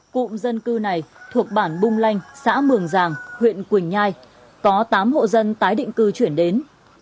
cụm dân cư này thuộc bản bung lanh xã mường giàng huyện quỳnh nhai có tám hộ dân tái định cư chuyển đến